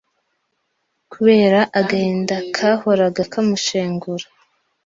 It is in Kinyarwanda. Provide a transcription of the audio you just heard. kubera agahinda kahoraga kamushengura